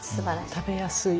食べやすい。